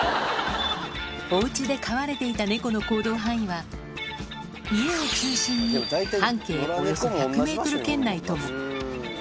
おうちで飼われていた猫の行動範囲は、家を中心に半径およそ１００メートル圏内とも。